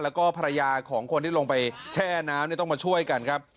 แล้วก็ภรรยาของคนที่ลงไปแช่น้ำต้องมาช่วยกันครับ